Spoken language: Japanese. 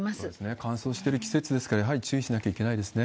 乾燥してる季節ですから、やはり注意しなきゃいけないですよね。